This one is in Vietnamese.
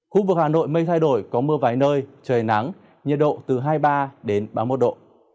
khu vực hà nội mây thay đổi có mưa vài nơi trời nắng nhiệt độ từ hai mươi ba đến ba mươi một độ